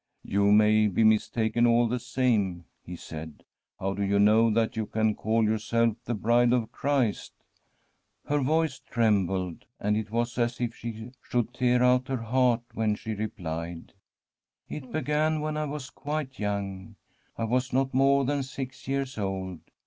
' You may be mistaken all the same,' he said. * How do you know that you can call yourself the Bride of Christ ?' Her voice trembled, and it was as if she should tear out her heart when she replied :' It began when I was quite young ; I was not more than six years old.